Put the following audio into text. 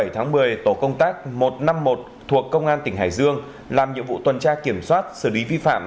bảy tháng một mươi tổ công tác một trăm năm mươi một thuộc công an tỉnh hải dương làm nhiệm vụ tuần tra kiểm soát xử lý vi phạm